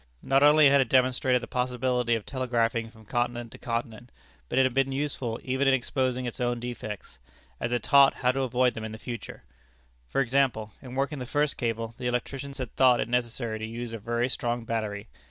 Not only had it demonstrated the possibility of telegraphing from continent to continent, but it had been useful even in exposing its own defects, as it taught how to avoid them in the future. For example, in working the first cable, the electricians had thought it necessary to use a very strong battery.